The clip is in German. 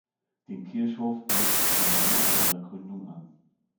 Den Kirchhof legte die Gemeinde bei ihrer Gründung an.